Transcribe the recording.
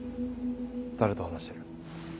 誰と話してる？